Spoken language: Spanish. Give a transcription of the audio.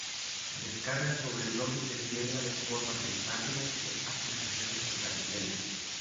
Descarga sobre bloques de piedra de forma prismática que hacen las veces de capiteles.